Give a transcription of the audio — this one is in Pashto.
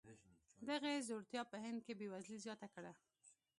دغې ځوړتیا په هند کې بېوزلي زیاته کړه.